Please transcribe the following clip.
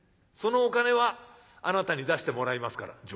そのお金はあなたに出してもらいますから」。